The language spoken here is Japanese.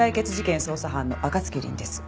捜査班の暁凛です。